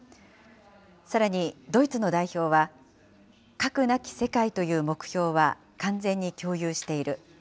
さらに、ドイツの代表は、核なき世界という目標は完全に共有している。